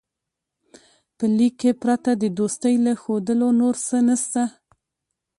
په لیک کې پرته د دوستۍ له ښودلو نور څه نسته.